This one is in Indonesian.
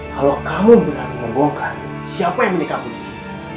kalau kamu berani membongkar siapa yang menikah polisi